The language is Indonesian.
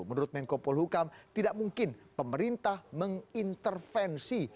menurut menko polhukam tidak mungkin pemerintah mengintervensi